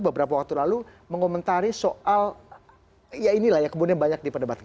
beberapa waktu lalu mengomentari soal ya inilah ya kemudian banyak di perdebatan